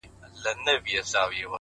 نور دي نو شېخاني كيسې نه كوي،